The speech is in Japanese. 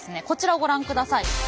こちらをご覧ください。